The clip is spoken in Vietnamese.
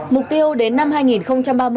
mục tiêu đến năm hai nghìn ba mươi